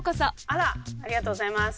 あらありがとうございます。